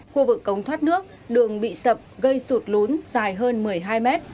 khu vực công thoát nước đường bị sập gây sụt lốn dài hơn một mươi hai mét